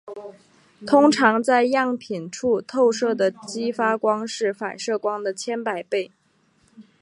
通常在样品处透射的激发光是反射光的千百倍。